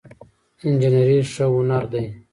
انجينري ښه هنر دی